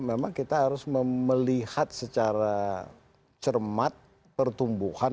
memang kita harus melihat secara cermat pertumbuhan